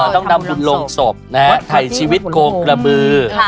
อ๋อต้องทำฝุ่นลงศพถ่ายชีวิตโกรธกระบือ